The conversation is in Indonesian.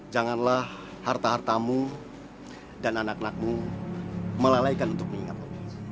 janganlah harta hartamu dan anak anakmu melalaikan untuk mengingatmu